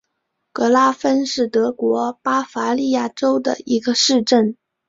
格拉芬是德国巴伐利亚州的一个市镇。